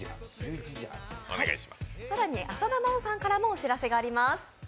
更に浅田真央さんからもお知らせがあります。